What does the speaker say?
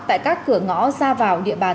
tại các cửa ngõ xa vào địa bàn